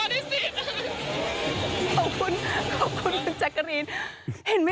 ที่สนชนะสงครามเปิดเพิ่ม